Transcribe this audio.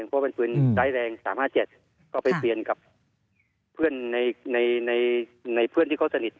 เพราะว่าเป็นพื้นได้แรง๓๕๗ก็ไปเปลี่ยนกับเพื่อนที่เขาสนิท